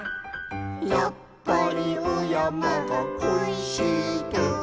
「やっぱりおやまがこいしいと」